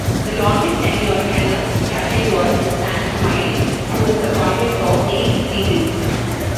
The longest-tenured Canucks captain was Stan Smyl, who was appointed for eight seasons.